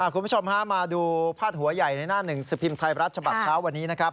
คุณผู้ชมฮะมาดูพาดหัวใหญ่ในหน้าหนึ่งสิบพิมพ์ไทยรัฐฉบับเช้าวันนี้นะครับ